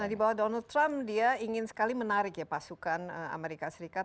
nah di bawah donald trump dia ingin sekali menarik ya pasukan amerika serikat